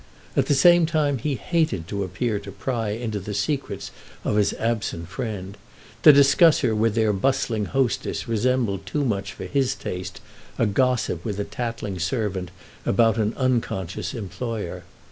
At the same time he hated to appear to pry into the secrets of his absent friend; to discuss her with their bustling hostess resembled too much for his taste a gossip with a tattling servant about an unconscious employer.